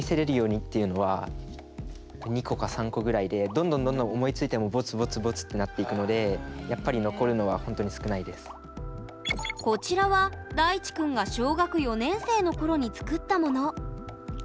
どんどんどんどん思いついてもボツボツボツってなっていくのでこちらは大智くんが小学４年生の頃に作ったもの。